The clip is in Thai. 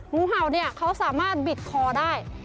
งูเห่าเขาสามารถบิดคลองฟื้นได้